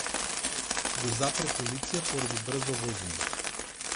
Го запре полиција поради брзо возење.